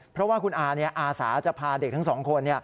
เพราะว่าคุณอาอาสาจะพาเด็กทั้งสองคน